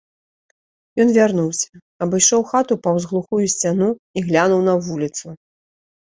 Ён вярнуўся, абышоў хату паўз глухую сцяну і глянуў на вуліцу.